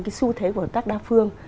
cái xu thế của hợp tác đa phương